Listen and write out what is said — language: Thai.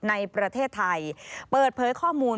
ในประเทศไทยเปิดเผยข้อมูล